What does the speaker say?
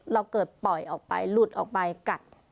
เราเกิดปล่อยออกไปหลุดออกไปกัด